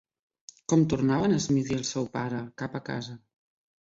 Com tornaven Smith i el seu pare cap a casa?